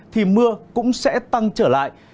thì mưa cũng sẽ tăng trở lại